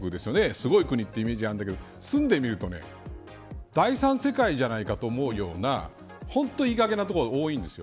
すごい国というイメージがあるんだけど住んでみると第３世界じゃないかと思うような本当にいいかげんなところが多いです。